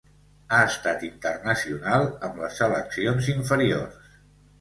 Ha estat internacional amb les seleccions inferiors.